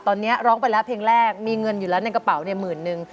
ตอนนี้ร้องไปแล้วเพลงแรกมีเงินอยู่แล้วในกระเป๋าเนี่ยหมื่นนึง